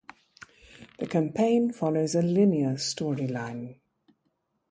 The campaign follows a linear storyline.